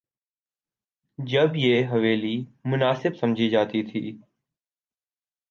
جب یہ حویلی مناسب سمجھی جاتی تھی۔